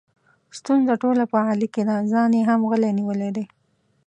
ستونزه ټوله په علي کې ده، ځان یې هم غلی نیولی دی.